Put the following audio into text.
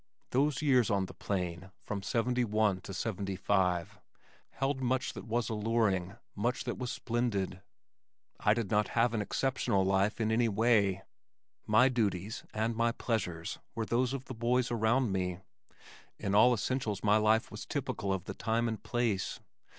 Those years on the plain, from '71 to '75, held much that was alluring, much that was splendid. I did not live an exceptional life in any way. My duties and my pleasures were those of the boys around me. In all essentials my life was typical of the time and place.